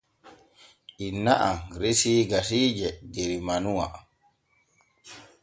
Inna am resi gasiije der manuwa.